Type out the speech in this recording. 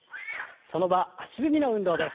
その場足踏みの運動です。